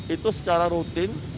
itu secara rutin